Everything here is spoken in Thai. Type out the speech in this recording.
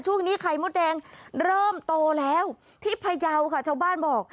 ช่วงนี้ไข่มดแดงเริ่มโตแล้วที่พยาวค่ะชาวบ้านบอก